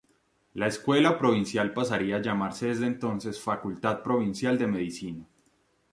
La Escuela Provincial pasaría a llamarse desde entonces "Facultad Provincial de Medicina".